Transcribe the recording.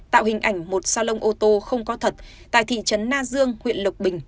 tạo hình ảnh một salon ô tô không có thật tại thị trấn na dương huyện lộc bình